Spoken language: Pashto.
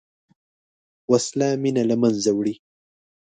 وسله مینه له منځه وړي